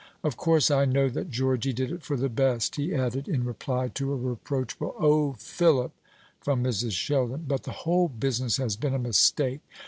Of course I know that Georgy did it for the best," he added, in reply to a reproachful "O Philip!" from Mrs. Sheldon. "But the whole business has been a mistake.